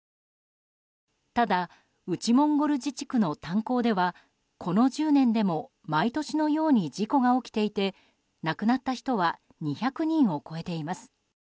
ただ、内モンゴル自治区の炭鉱ではこの１０年でも毎年のように事故が起きていて亡くなった人は２００人を超えています。